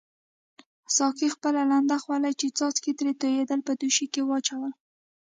ساقي خپله لنده خولۍ چې څاڅکي ترې توییدل په دوشۍ کې واچول.